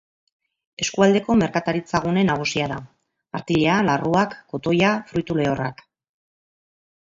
Eskualdeko merkataritzagune nagusia da: artilea, larruak, kotoia, fruitu lehorrak.